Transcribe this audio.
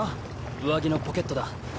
上着のポケットだ。